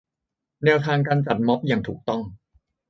แนวทางการจัดม็อบอย่างถูกต้อง